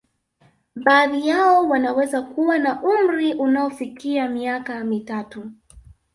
Baadhi yao wanaweza kuwa na umri unaofikia miaka mitatu